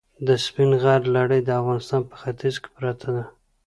د سپین غر لړۍ د افغانستان په ختیځ کې پرته ده.